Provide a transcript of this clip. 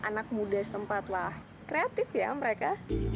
nah anak muda setempat lah kreatif ya mereka